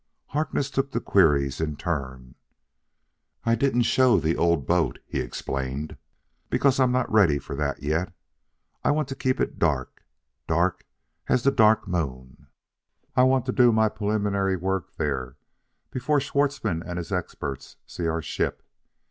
Harkness took the queries in turn. "I didn't show the old boat," he explained, "because I'm not ready for that yet. I want it kept dark dark as the Dark Moon. I want to do my preliminary work there before Schwartzmann and his experts see our ship.